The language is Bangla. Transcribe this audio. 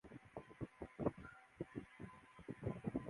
এসব স্টলে বিজ্ঞানের বিস্ময় জিনিস সম্পর্কে দর্শকদের জ্ঞান দেয়া হয়।